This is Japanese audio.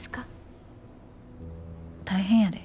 大変やで。